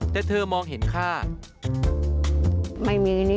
แต่เธอมองเห็นค่า